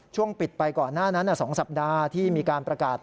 ช่วงปิดไปก่อนหน้านั้น๒สัปดาห์ที่มีการประกาศ